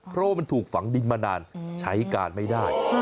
เพราะว่ามันถูกฝังดินมานานใช้การไม่ได้